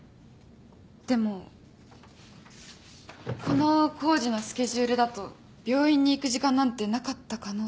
でもこの工事のスケジュールだと病院に行く時間なんてなかった可能性もあるんじゃ。